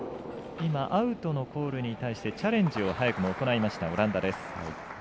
今、アウトのコールに対してチャレンジを早くも行ったオランダです。